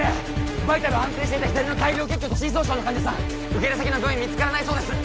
バイタル安定していた左の大量血胸と心損傷の患者さん受け入れ先の病院見つからないそうです！